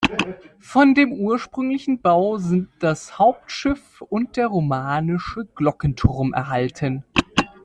Von dem ursprünglichen Bau sind das Hauptschiff und der romanische Glockenturm erhalten.